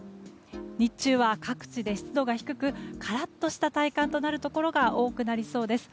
日中は各地で湿度が低くカラッとした体感となるところが多くなりそうです。